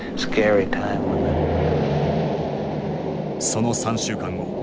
その３週間後。